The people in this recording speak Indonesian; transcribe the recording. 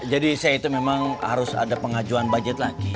jadi saya itu memang harus ada pengajuan budget lagi